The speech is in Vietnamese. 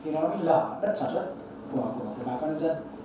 thì nó mới lở đất sản xuất của bà con dân